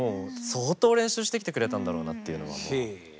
相当練習してきてくれたんだろうなっていうのははい。